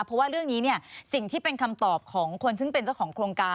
เพราะว่าเรื่องนี้เนี่ยสิ่งที่เป็นคำตอบของคนซึ่งเป็นเจ้าของโครงการ